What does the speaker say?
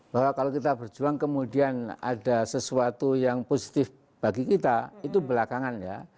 bahwa kalau kita berjuang kemudian ada sesuatu yang positif bagi kita itu belakangan ya